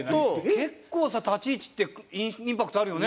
結構さ立ち位置ってインパクトあるよね。